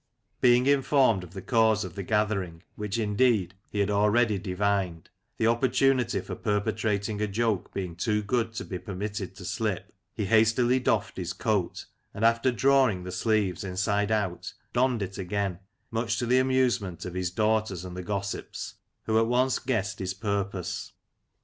Being informed of the cause of the gathering, which, indeed, he had already divined, the opportunity for perpetrating a joke being too good to be permitted to slip, he hastily doffed his coat, and after drawing the sleeves inside out, donned it again, much to the amuse ment of his daughters and the gossips, who at once guessed his purpose.